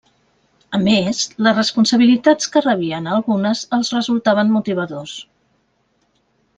A més, les responsabilitats que rebien a algunes els resultaven motivadors.